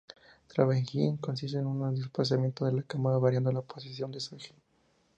Travelling: Consiste en un desplazamiento de la cámara variando la posición de su eje.